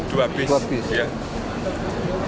kurang lebih dua bis